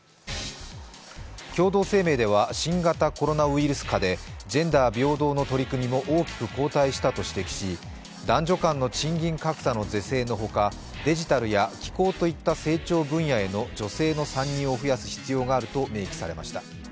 共同声明では新型コロナウイルス禍でジェンダー平等の取り組みも大きく後退したと指摘し、男女間の賃金格差の是正のほかデジタルや気候といった成長分野への女性の参入の必要があると明記されました。